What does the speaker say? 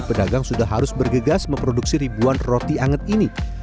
pedagang sudah harus bergegas memproduksi ribuan roti anget ini